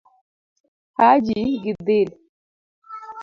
Haji gi dhil